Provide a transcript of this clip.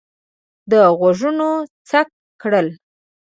ده غوږونه څک کړل.